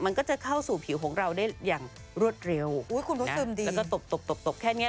มันก็จะเข้าสู่ผิวของเราได้อย่างรวดเร็วแล้วก็ตบแค่นี้